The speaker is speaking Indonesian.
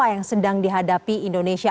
apa yang sedang dihadapi di indonesia